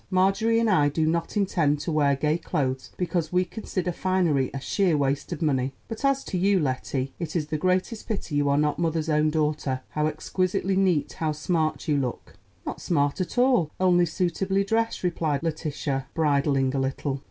Marjorie and I do not intend to wear gay clothes, because we consider finery a sheer waste of money; but as to you, Lettie, it is the greatest pity you are not mother's own daughter. How exquisitely neat, how smart, you look!" "Not smart at all, only suitably dressed," replied Letitia, bridling a little.